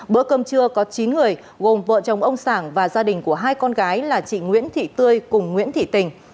bữa cơm trưa có chín người gồm vợ chồng ông sảng và gia đình của hai con gái là chị nguyễn thị tươi cùng nguyễn thị tình